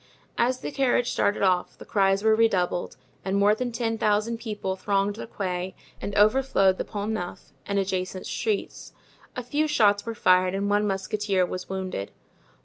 As the carriage started off the cries were redoubled and more than ten thousand people thronged the Quai and overflowed the Pont Neuf and adjacent streets. A few shots were fired and one musketeer was wounded.